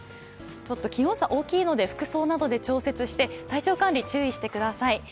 ちょっと気温差、大きいので服装などで調節して体調管理注意してください。